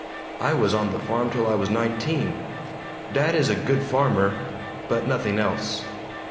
I was on the farm till I was nineteen. Dad is a good farmer, but nothing else.